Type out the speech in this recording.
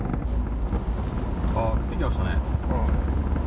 ああ、降ってきましたね。